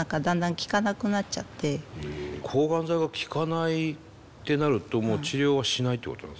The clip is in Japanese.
抗がん剤が効かないってなるともう治療はしないってことなんですか？